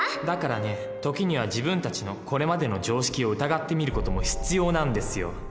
だからね時には自分たちのこれまでの常識を疑ってみる事も必要なんですよ。